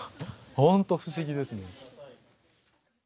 本当不思議ですね